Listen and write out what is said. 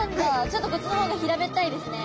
ちょっとこっちの方が平べったいですね。